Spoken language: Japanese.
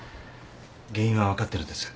原因は分かってるんです。